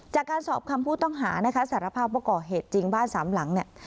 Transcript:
จากการสอบคำผู้ต้องหานะคะสารภาพว่าก่อเหตุจริงบ้านสามหลังเนี่ย